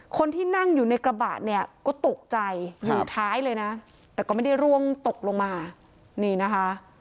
คนที่นั่งอยู่ในกระบะเนี่ยก็ตกใจอยู่ท้ายเลยนะแต่ก็ไม่ได้ร่วงตกลงมานี่นะคะ